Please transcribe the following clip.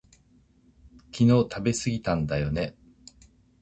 昨日食べすぎたんだよね